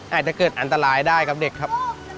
อาจจะเกิดอันตรายได้กับเด็กครับ